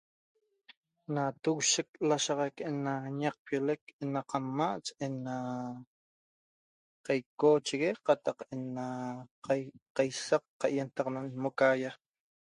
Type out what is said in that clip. na tughishec lashaxac ena ñacpiolec ena qadma ena qayacocheguee qatac ena qayasac qayenataxana ana moqayaa